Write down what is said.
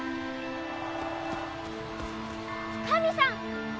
神さん！